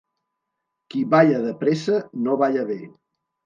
Qui balla de pressa no balla bé.